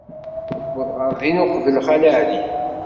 Tuweḍ ɣer din uqbel Xali Ɛli.